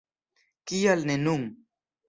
Kial ne nun!